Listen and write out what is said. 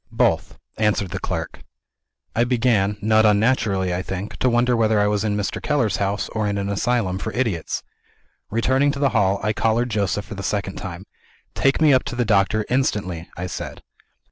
"Both," answered the clerk. I began not unnaturally, I think to wonder whether I was in Mr. Keller's house, or in an asylum for idiots. Returning to the hall, I collared Joseph for the second time. "Take me up to the doctor instantly!" I said.